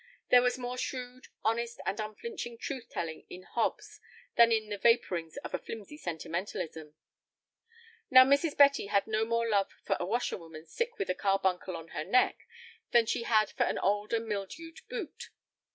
There was more shrewd, honest, and unflinching truth telling in Hobbes than in the vaporings of a flimsy sentimentalism. Now Mrs. Betty had no more love for a washerwoman sick with a carbuncle on her neck than she had for an old and mildewed boot.